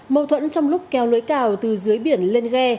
mâu thuẫn trong lúc kéo lưới cào từ dưới biển lên ghe